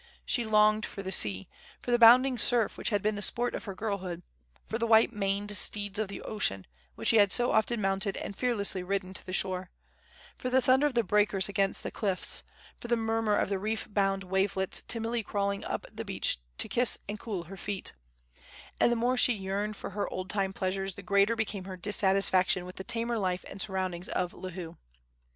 She longed for the sea; for the bounding surf which had been the sport of her girlhood; for the white maned steeds of ocean, which she had so often mounted and fearlessly ridden to the shore; for the thunder of the breakers against the cliffs; for the murmur of the reef bound wavelets timidly crawling up the beach to kiss and cool her feet; and the more she yearned for her old time pleasures, the greater became her dissatisfaction with the tamer life and surroundings of Lihue.